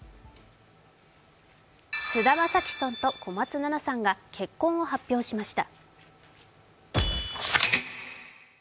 菅田将暉さんと小松菜奈さんが結婚を発表しました。